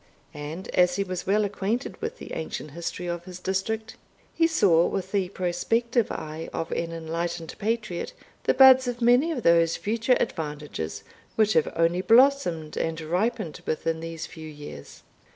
And as he was well acquainted with the ancient history of his district, he saw with the prospective eye of an enlightened patriot, the buds of many of those future advantages which have only blossomed and ripened within these few years.